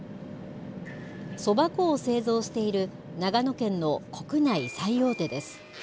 そば粉を製造している長野県の国内最大手です。